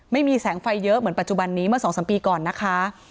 ไม่มีแสงไฟเยอะเหมือนปัจจุบันนี้เมื่อ๒๓ปีก่อนนะคะ